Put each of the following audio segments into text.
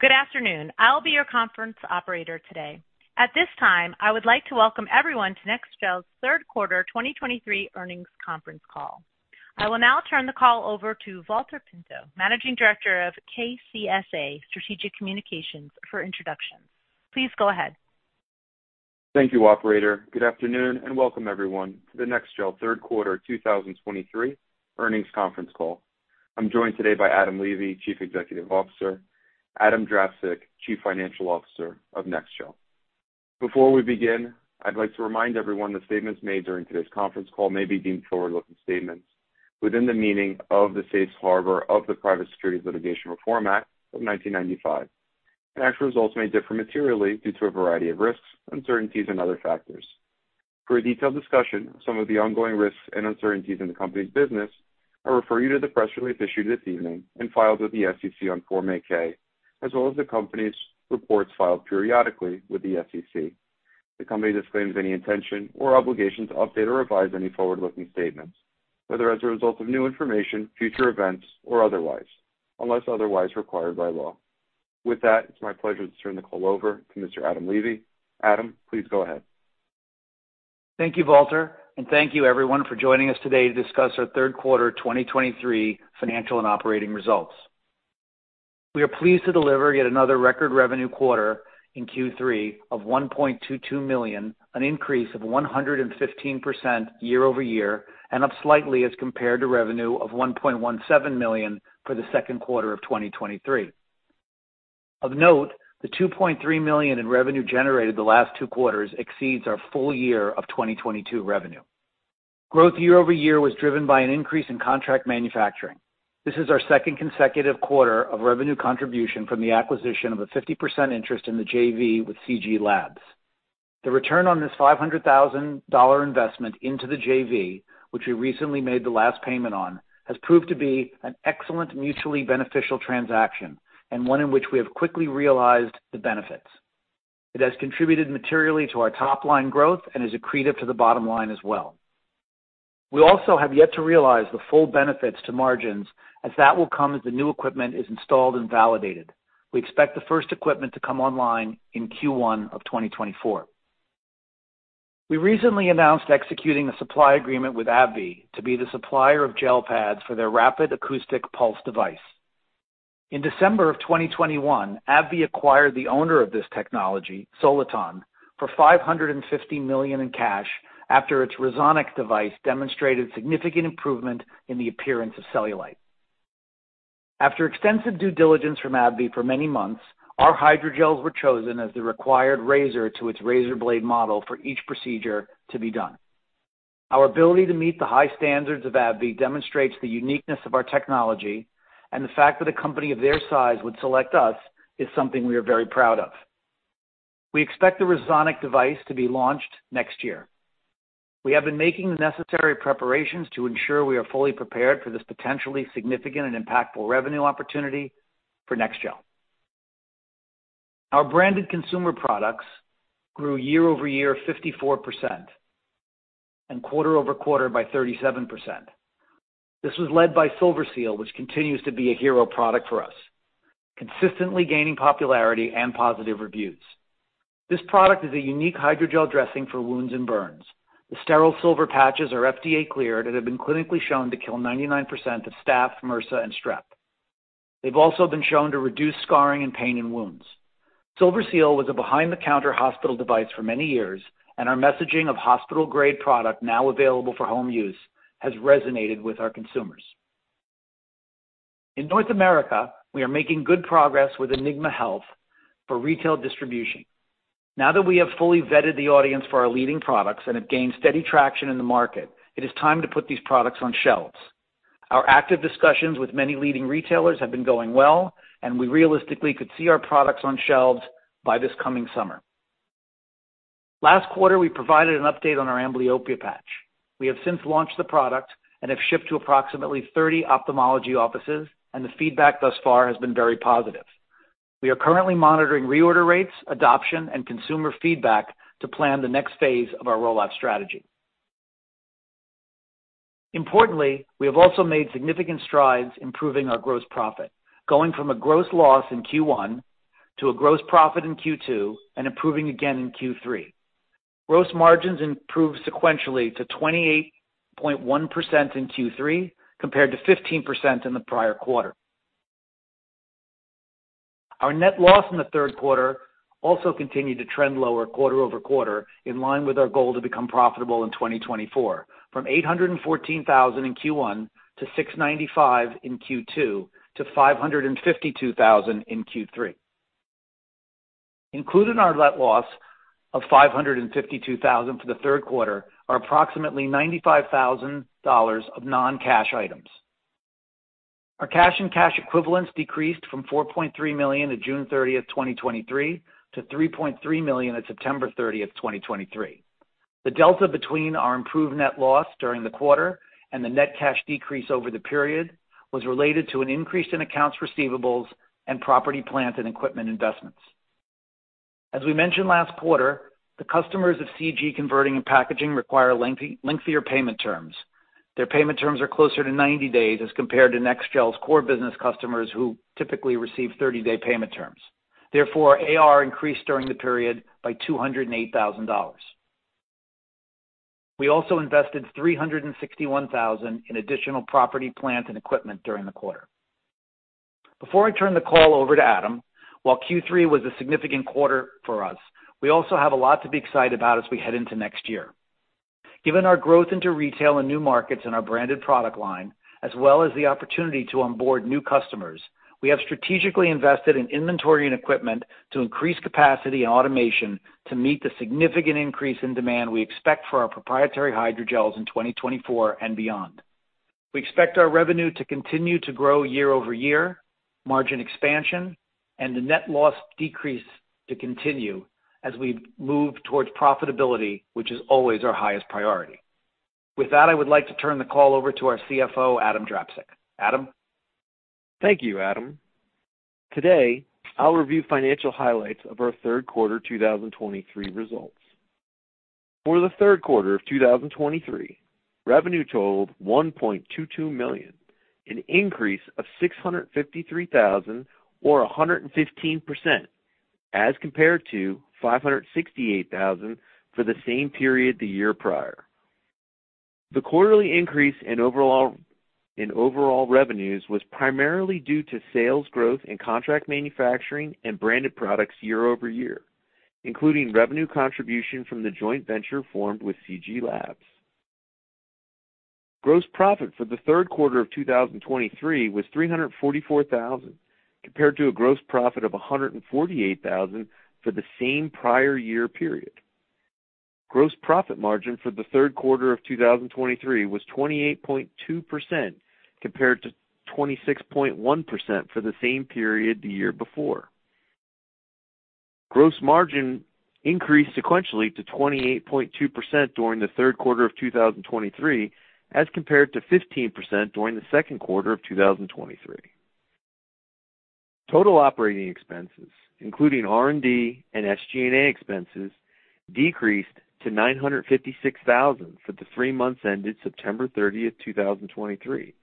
Good afternoon. I'll be your conference operator today. At this time, I would like to welcome everyone to NEXGEL's third quarter 2023 earnings conference call. I will now turn the call over to Valter Pinto, Managing Director of KCSA Strategic Communications, for introductions. Please go ahead. Thank you, operator. Good afternoon, and welcome everyone to the NEXGEL third quarter 2023 earnings conference call. I'm joined today by Adam Levy, Chief Executive Officer, Adam Drapczuk, Chief Financial Officer of NEXGEL. Before we begin, I'd like to remind everyone that statements made during today's conference call may be deemed forward-looking statements within the meaning of the Safe Harbor of the Private Securities Litigation Reform Act of 1995. Actual results may differ materially due to a variety of risks, uncertainties and other factors. For a detailed discussion of some of the ongoing risks and uncertainties in the company's business, I refer you to the press release issued this evening and filed with the SEC on Form 8-K, as well as the company's reports filed periodically with the SEC. The company disclaims any intention or obligation to update or revise any forward-looking statements, whether as a result of new information, future events or otherwise, unless otherwise required by law. With that, it's my pleasure to turn the call over to Mr. Adam Levy. Adam, please go ahead. Thank you, Valter, and thank you everyone for joining us today to discuss our third quarter 2023 financial and operating results. We are pleased to deliver yet another record revenue quarter in Q3 of $1.22 million, an increase of 115% year-over-year, and up slightly as compared to revenue of $1.17 million for the second quarter of 2023. Of note, the $2.3 million in revenue generated the last two quarters exceeds our full year of 2022 revenue. Growth year-over-year was driven by an increase in contract manufacturing. This is our second consecutive quarter of revenue contribution from the acquisition of a 50% interest in the JV with C.G. Labs. The return on this $500,000 investment into the JV, which we recently made the last payment on, has proved to be an excellent, mutually beneficial transaction and one in which we have quickly realized the benefits. It has contributed materially to our top line growth and is accretive to the bottom line as well. We also have yet to realize the full benefits to margins as that will come as the new equipment is installed and validated. We expect the first equipment to come online in Q1 of 2024. We recently announced executing a supply agreement with AbbVie to be the supplier of gel pads for their rapid acoustic pulse device. In December of 2021, AbbVie acquired the owner of this technology, Soliton, for $550 million in cash, after its RESONIC device demonstrated significant improvement in the appearance of cellulite. After extensive due diligence from AbbVie for many months, our hydrogels were chosen as the required razor to its razor blade model for each procedure to be done. Our ability to meet the high standards of AbbVie demonstrates the uniqueness of our technology, and the fact that a company of their size would select us is something we are very proud of. We expect the RESONIC device to be launched next year. We have been making the necessary preparations to ensure we are fully prepared for this potentially significant and impactful revenue opportunity for NEXGEL. Our branded consumer products grew year-over-year 54% and quarter-over-quarter by 37%. This was led by SilverSeal, which continues to be a hero product for us, consistently gaining popularity and positive reviews. This product is a unique hydrogel dressing for wounds and burns. The sterile silver patches are FDA cleared and have been clinically shown to kill 99% of staph, MRSA, and strep. They've also been shown to reduce scarring and pain in wounds. SilverSeal was a behind-the-counter hospital device for many years, and our messaging of hospital-grade product now available for home use has resonated with our consumers. In North America, we are making good progress with Enigma Health for retail distribution. Now that we have fully vetted the audience for our leading products and have gained steady traction in the market, it is time to put these products on shelves. Our active discussions with many leading retailers have been going well, and we realistically could see our products on shelves by this coming summer. Last quarter, we provided an update on our amblyopia patch. We have since launched the product and have shipped to approximately 30 ophthalmology offices, and the feedback thus far has been very positive. We are currently monitoring reorder rates, adoption, and consumer feedback to plan the next phase of our rollout strategy. Importantly, we have also made significant strides improving our gross profit, going from a gross loss in Q1 to a gross profit in Q2 and improving again in Q3. Gross margins improved sequentially to 28.1% in Q3, compared to 15% in the prior quarter. Our net loss in the third quarter also continued to trend lower quarter-over-quarter, in line with our goal to become profitable in 2024, from $814,000 in Q1 to $695,000 in Q2 to $552,000 in Q3. Included in our net loss of $552,000 for the third quarter are approximately $95,000 of non-cash items. Our cash and cash equivalents decreased from $4.3 million on June 30th, 2023, to $3.3 million on September 30th, 2023. The delta between our improved net loss during the quarter and the net cash decrease over the period was related to an increase in accounts receivables and property, plant, and equipment investments. As we mentioned last quarter, the customers of CG Converting and Packaging require lengthy, lengthier payment terms. Their payment terms are closer to 90 days as compared to NEXGEL's core business customers, who typically receive 30-day payment terms. Therefore, AR increased during the period by $208,000. We also invested $361,000 in additional property, plant, and equipment during the quarter. Before I turn the call over to Adam, while Q3 was a significant quarter for us, we also have a lot to be excited about as we head into next year. Given our growth into retail and new markets in our branded product line, as well as the opportunity to onboard new customers, we have strategically invested in inventory and equipment to increase capacity and automation to meet the significant increase in demand we expect for our proprietary hydrogels in 2024 and beyond. We expect our revenue to continue to grow year-over-year, margin expansion, and the net loss decrease to continue as we move towards profitability, which is always our highest priority. With that, I would like to turn the call over to our CFO, Adam Drapczuk. Adam? Thank you, Adam. Today, I'll review financial highlights of our third quarter 2023 results. For the third quarter of 2023, revenue totaled $1.22 million, an increase of $653 thousand or 115%, as compared to $568 thousand for the same period the year prior. The quarterly increase in overall, in overall revenues was primarily due to sales growth in contract manufacturing and branded products year-over-year, including revenue contribution from the joint venture formed with C.G. Labs. Gross profit for the third quarter of 2023 was $344 thousand, compared to a gross profit of $148 thousand for the same prior year period. Gross profit margin for the third quarter of 2023 was 28.2%, compared to 26.1% for the same period the year before. Gross margin increased sequentially to 28.2% during the third quarter of 2023, as compared to 15% during the second quarter of 2023. Total operating expenses, including R&D and SG&A expenses, decreased to $956,000 for the three months ended September 30th, 2023,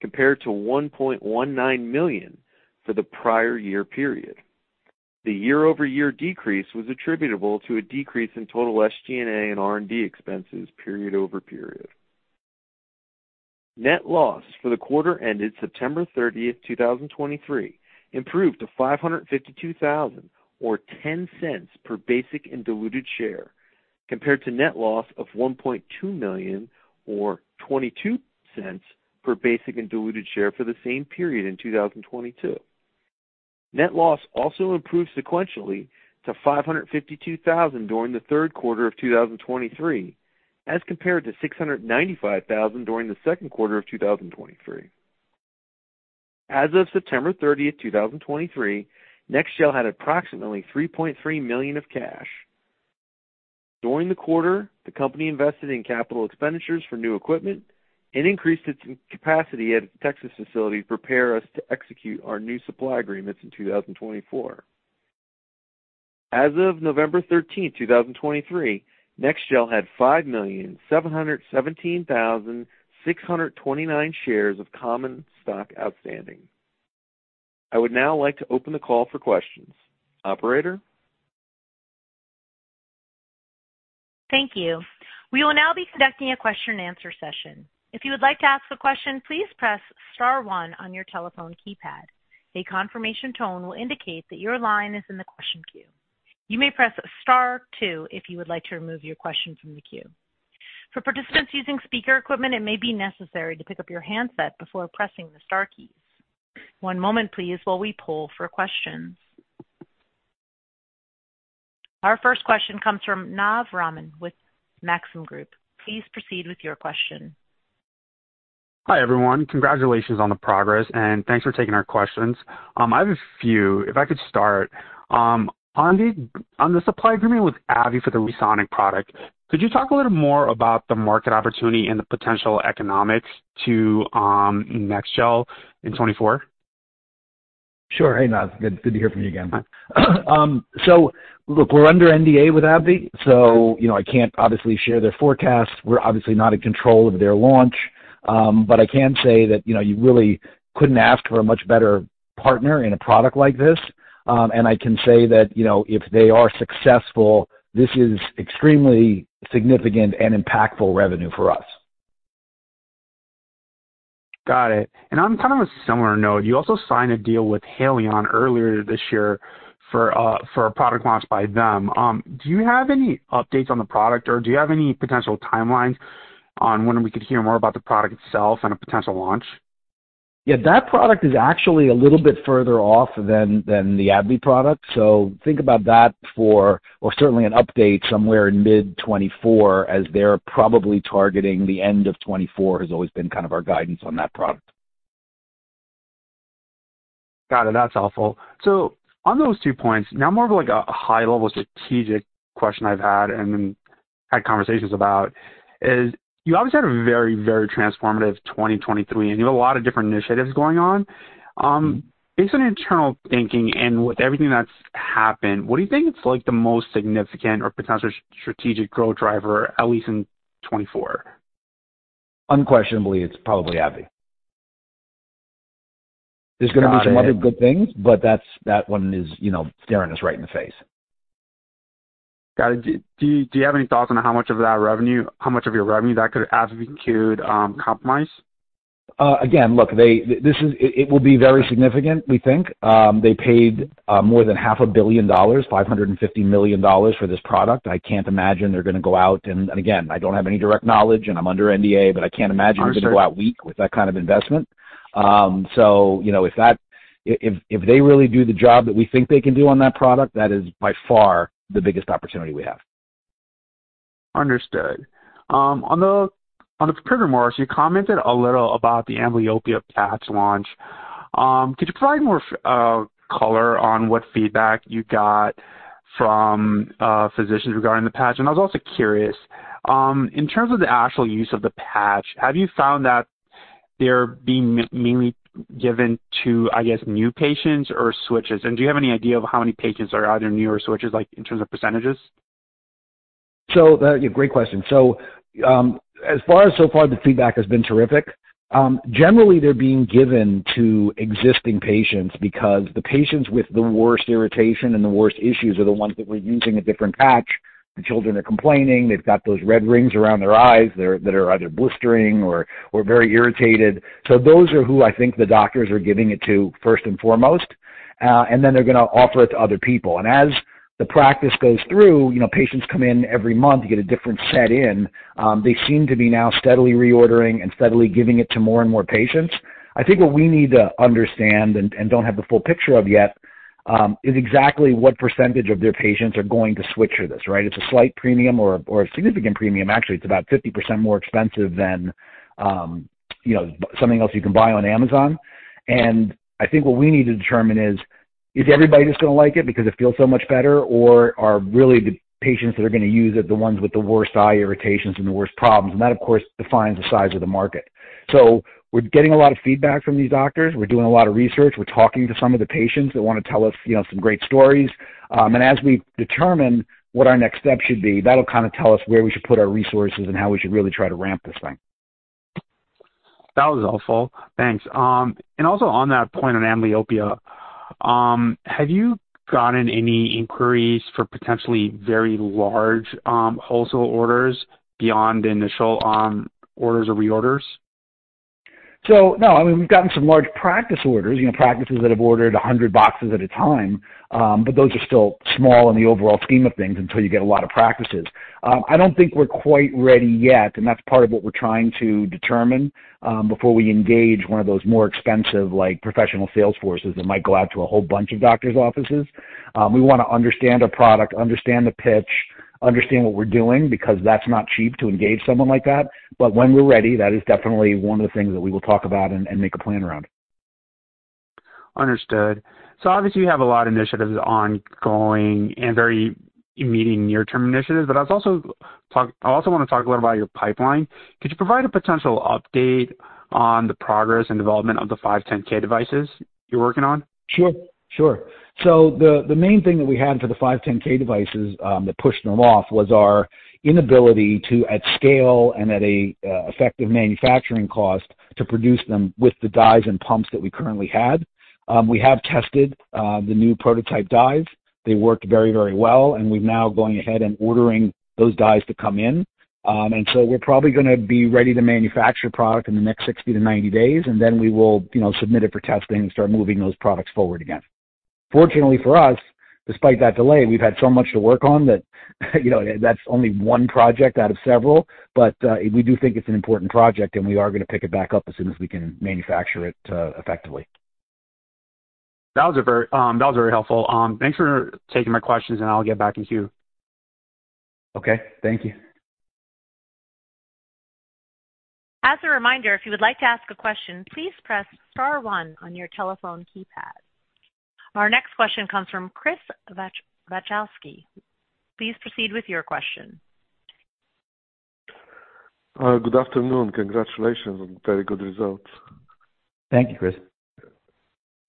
compared to $1.19 million for the prior year period. The year-over-year decrease was attributable to a decrease in total SG&A and R&D expenses period-over-period. Net loss for the quarter ended September 30th, 2023, improved to $552,000, or $0.10 per basic and diluted share, compared to net loss of $1.2 million, or $0.22 per basic and diluted share for the same period in 2022. Net loss also improved sequentially to $552,000 during the third quarter of 2023, as compared to $695,000 during the second quarter of 2023. As of September 30th, 2023, NEXGEL had approximately $3.3 million of cash. During the quarter, the company invested in capital expenditures for new equipment and increased its capacity at its Texas facility to prepare us to execute our new supply agreements in 2024. As of November 30th, 2023, NEXGEL had 5,717,629 shares of common stock outstanding. I would now like to open the call for questions. Operator? Thank you. We will now be conducting a question-and-answer session. If you would like to ask a question, please press star one on your telephone keypad. A confirmation tone will indicate that your line is in the question queue. You may press star two if you would like to remove your question from the queue. For participants using speaker equipment, it may be necessary to pick up your handset before pressing the star keys. One moment, please, while we pull for questions. Our first question comes from Naz Rahman with Maxim Group. Please proceed with your question. Hi, everyone. Congratulations on the progress, and thanks for taking our questions. I have a few. If I could start, on the supply agreement with AbbVie for the RESONIC product, could you talk a little more about the market opportunity and the potential economics to, NEXGEL in 2024? Sure. Hey, Naz. Good, good to hear from you again. So look, we're under NDA with AbbVie, so, you know, I can't obviously share their forecasts. We're obviously not in control of their launch. But I can say that, you know, you really couldn't ask for a much better partner in a product like this. And I can say that, you know, if they are successful, this is extremely significant and impactful revenue for us. Got it. And on kind of a similar note, you also signed a deal with Haleon earlier this year for a product launch by them. Do you have any updates on the product, or do you have any potential timelines on when we could hear more about the product itself and a potential launch? Yeah, that product is actually a little bit further off than the AbbVie product. So think about that for, or certainly an update somewhere in mid-2024, as they're probably targeting the end of 2024, has always been kind of our guidance on that product. Got it. That's helpful. So on those two points, now more of, like, a high-level strategic question I've had, had conversations about, is you obviously had a very, very transformative 2023, and you have a lot of different initiatives going on. Based on internal thinking and with everything that's happened, what do you think is, like, the most significant or potential strategic growth driver, at least in 2024? Unquestionably, it's probably AbbVie. There's gonna be some other good things, but that's, that one is, you know, staring us right in the face. Got it. Do you have any thoughts on how much of that revenue, how much of your revenue that AbbVie could compromise? Again, look, they, it will be very significant, we think. They paid more than $500 million, $550 million for this product. I can't imagine they're gonna go out, and, again, I don't have any direct knowledge, and I'm under NDA, but I can't imagine. Understood. They're gonna go out weak with that kind of investment. So you know, if that, if they really do the job that we think they can do on that product, that is by far the biggest opportunity we have. Understood. On the prepared remarks, you commented a little about the amblyopia patch launch. Could you provide more color on what feedback you got from physicians regarding the patch? And I was also curious, in terms of the actual use of the patch, have you found that they're being mainly given to, I guess, new patients or switchers? And do you have any idea of how many patients are either new or switchers, like, in terms of percentages? So, yeah, great question. So, as far as so far, the feedback has been terrific. Generally, they're being given to existing patients because the patients with the worst irritation and the worst issues are the ones that were using a different patch. The children are complaining, they've got those red rings around their eyes, that are either blistering or very irritated. So those are who I think the doctors are giving it to first and foremost, and then they're gonna offer it to other people. And as the practice goes through, you know, patients come in every month to get a different set in, they seem to be now steadily reordering and steadily giving it to more and more patients. I think what we need to understand and don't have the full picture of yet is exactly what percentage of their patients are going to switch to this, right? It's a slight premium or a significant premium. Actually, it's about 50% more expensive than, you know, something else you can buy on Amazon. And I think what we need to determine is everybody just gonna like it because it feels so much better, or are really the patients that are gonna use it, the ones with the worst eye irritations and the worst problems, and that, of course, defines the size of the market. So we're getting a lot of feedback from these doctors. We're doing a lot of research. We're talking to some of the patients that wanna tell us, you know, some great stories. As we determine what our next step should be, that'll kind of tell us where we should put our resources and how we should really try to ramp this thing. That was helpful. Thanks. Also on that point on amblyopia, have you gotten any inquiries for potentially very large, wholesale orders beyond the initial, orders or reorders? So, no, I mean, we've gotten some large practice orders, you know, practices that have ordered 100 boxes at a time. But those are still small in the overall scheme of things until you get a lot of practices. I don't think we're quite ready yet, and that's part of what we're trying to determine, before we engage one of those more expensive, like, professional sales forces that might go out to a whole bunch of doctors' offices. We wanna understand our product, understand the pitch, understand what we're doing, because that's not cheap to engage someone like that. But when we're ready, that is definitely one of the things that we will talk about and make a plan around. Understood. So obviously, you have a lot of initiatives ongoing and very immediate near-term initiatives, but I'd also talk- I also wanna talk a little about your pipeline. Could you provide a potential update on the progress and development of the 510(k) devices you're working on? Sure. Sure. So the main thing that we had for the 510(k) devices that pushed them off was our inability to, at scale and at a effective manufacturing cost, to produce them with the dies and pumps that we currently had. We have tested the new prototype dies. They worked very, very well, and we're now going ahead and ordering those dies to come in. And so we're probably gonna be ready to manufacture product in the next 60-90 days, and then we will, you know, submit it for testing and start moving those products forward again. Fortunately for us, despite that delay, we've had so much to work on that, you know, that's only one project out of several. We do think it's an important project, and we are gonna pick it back up as soon as we can manufacture it effectively. That was very helpful. Thanks for taking my questions, and I'll get back in queue. Okay, thank you. As a reminder, if you would like to ask a question, please press star one on your telephone keypad. Our next question comes from Chris Vachowski. Please proceed with your question. Good afternoon. Congratulations on very good results. Thank you, Chris.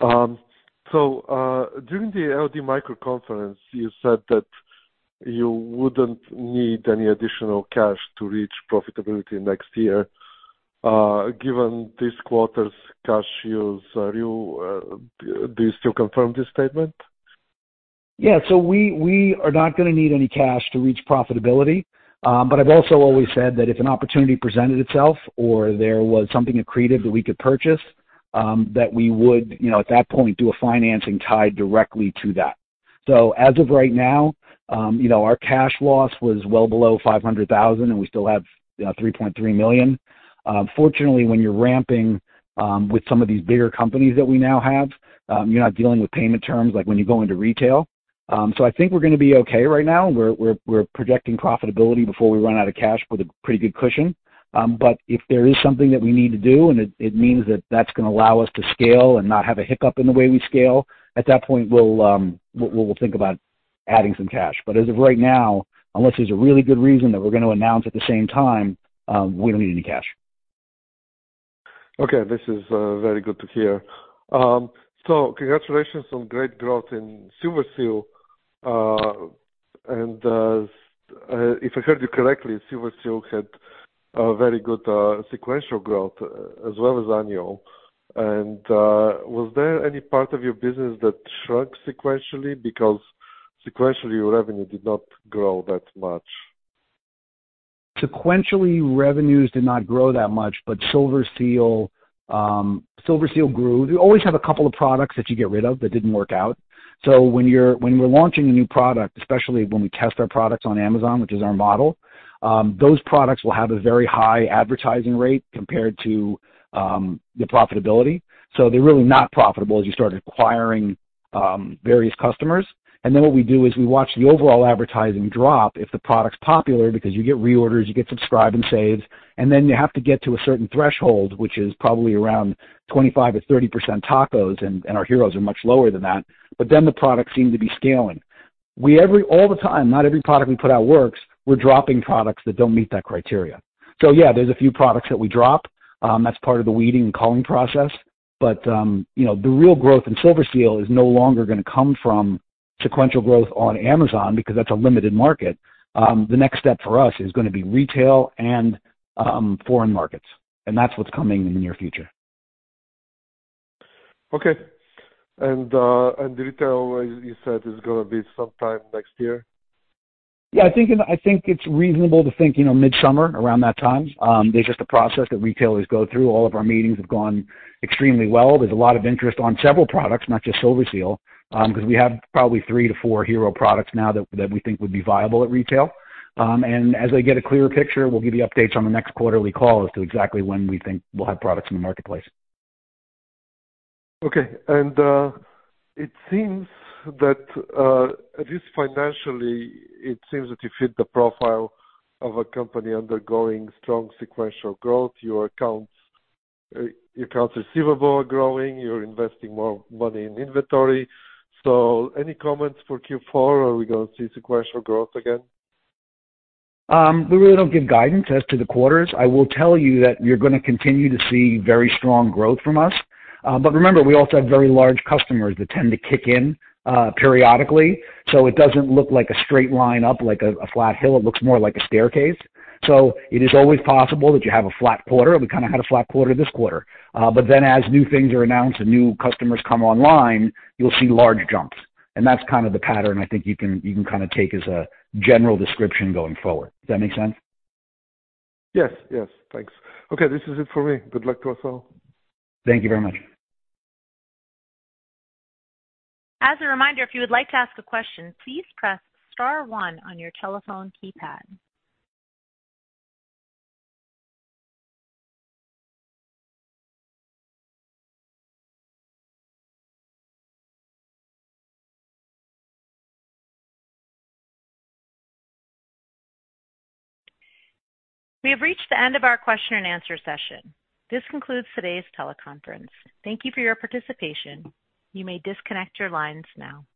So, during the LD Micro Conference, you said that you wouldn't need any additional cash to reach profitability next year. Given this quarter's cash use, are you, do you still confirm this statement? Yeah. So we are not gonna need any cash to reach profitability, but I've also always said that if an opportunity presented itself or there was something accretive that we could purchase, that we would, you know, at that point, do a financing tied directly to that. So as of right now, you know, our cash loss was well below $500,000, and we still have $3.3 million. Fortunately, when you're ramping with some of these bigger companies that we now have, you're not dealing with payment terms like when you go into retail. So I think we're gonna be okay right now. We're projecting profitability before we run out of cash with a pretty good cushion. But if there is something that we need to do, and it means that that's gonna allow us to scale and not have a hiccup in the way we scale, at that point, we'll think about adding some cash. But as of right now, unless there's a really good reason that we're gonna announce at the same time, we don't need any cash. Okay, this is very good to hear. So congratulations on great growth in SilverSeal. And if I heard you correctly, SilverSeal had a very good sequential growth as well as annual. And was there any part of your business that shrunk sequentially? Because sequentially, your revenue did not grow that much. Sequentially, revenues did not grow that much, but SilverSeal, SilverSeal grew. You always have a couple of products that you get rid of that didn't work out. So when we're launching a new product, especially when we test our products on Amazon, which is our model, those products will have a very high advertising rate compared to the profitability. So they're really not profitable as you start acquiring various customers. And then what we do is we watch the overall advertising drop if the product's popular, because you get reorders, you get subscribe and saves, and then you have to get to a certain threshold, which is probably around 25% or 30% TACoS, and our TACoS are much lower than that, but then the products seem to be scaling. We every, all the time, not every product we put out works, we're dropping products that don't meet that criteria. So yeah, there's a few products that we drop, that's part of the weeding and culling process. But, you know, the real growth in SilverSeal is no longer gonna come from sequential growth on Amazon because that's a limited market. The next step for us is gonna be retail and, foreign markets, and that's what's coming in the near future. Okay. And the retail, you said, is gonna be sometime next year? Yeah, I think it's reasonable to think, you know, midsummer, around that time. There's just a process that retailers go through. All of our meetings have gone extremely well. There's a lot of interest on several products, not just SilverSeal, because we have probably three to four hero products now that we think would be viable at retail. And as I get a clearer picture, we'll give you updates on the next quarterly call as to exactly when we think we'll have products in the marketplace. Okay. And, it seems that, at least financially, it seems that you fit the profile of a company undergoing strong sequential growth. Your accounts, your accounts receivable are growing, you're investing more money in inventory. So any comments for Q4, are we gonna see sequential growth again? We really don't give guidance as to the quarters. I will tell you that you're gonna continue to see very strong growth from us. But remember, we also have very large customers that tend to kick in periodically, so it doesn't look like a straight line up, like a flat hill. It looks more like a staircase. So it is always possible that you have a flat quarter. We kind of had a flat quarter this quarter. But then as new things are announced and new customers come online, you'll see large jumps. And that's kind of the pattern I think you can kind of take as a general description going forward. Does that make sense? Yes. Yes. Thanks. Okay, this is it for me. Good luck to us all. Thank you very much. As a reminder, if you would like to ask a question, please press star one on your telephone keypad. We have reached the end of our question and answer session. This concludes today's teleconference. Thank you for your participation. You may disconnect your lines now.